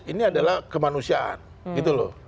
ini adalah kemanusiaan gitu loh